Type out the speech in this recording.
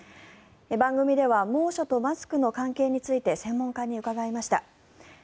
番組では猛暑とマスクの関係について専門家に伺いました。